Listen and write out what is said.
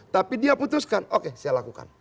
tapi dia putuskan oke saya lakukan